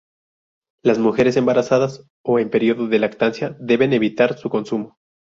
Las mujeres embarazadas o en período de lactancia deben evitar su consumo.